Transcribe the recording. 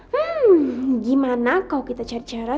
hmm gimana kalau kita cari cara